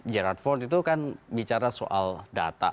gerard ford itu kan bicara soal data